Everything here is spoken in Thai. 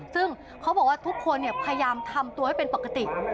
ซึ่งเขาบอกว่าทุกคนพยายามทำตัวให้เป็นปกติ